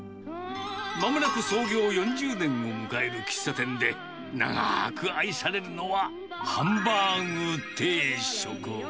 まもなく創業４０年を迎える喫茶店で、長く愛されるのはハンバーグ定食。